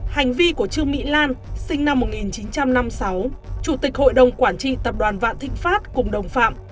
hành vi của trương mỹ lan sinh năm một nghìn chín trăm năm mươi sáu chủ tịch hội đồng quản trị tập đoàn vạn thịnh pháp cùng đồng phạm